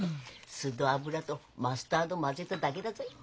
酢と油とマスタード混ぜただけだぞい。